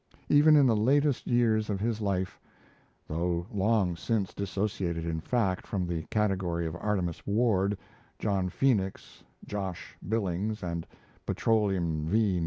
Even in the latest years of his life, though long since dissociated in fact from the category of Artemus Ward, John Phoenix, Josh Billings, and Petroleum V.